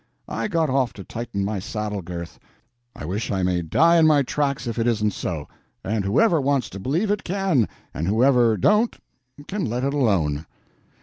I got off to tighten my saddle girth—I wish I may die in my tracks if it isn't so—and whoever wants to believe it can, and whoever don't can let it alone."